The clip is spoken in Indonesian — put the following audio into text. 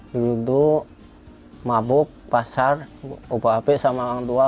dulu itu mabuk pasar obat obat sama orang tua